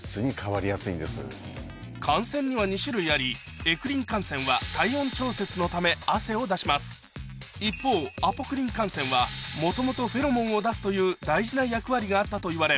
汗腺には２種類ありエクリン汗腺は体温調節のため汗を出します一方アポクリン汗腺はもともとフェロモンを出すという大事な役割があったといわれ